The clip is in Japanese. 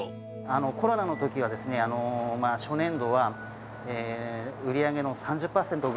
コロナのときは、初年度は売り上げの３０％減。